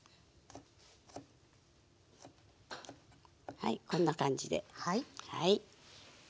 はいこんな感じで。